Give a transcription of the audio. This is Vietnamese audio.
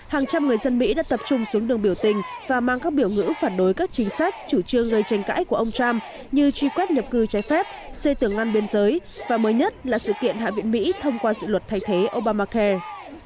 hàng trăm người dân mỹ đã tập trung xuống đường biểu tình và mang các biểu ngữ phản đối các chính sách chủ trương gây tranh cãi của ông trump như truy quét nhập cư trái phép xây tường ngăn biên giới và mới nhất là sự kiện hạ viện mỹ thông qua dự luật thay thế obamacare